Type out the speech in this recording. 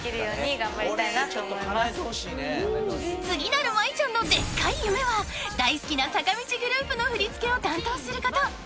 ［次なる真依ちゃんのでっかい夢は大好きな坂道グループの振り付けを担当すること］